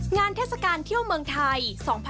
เทศกาลเที่ยวเมืองไทย๒๕๖๒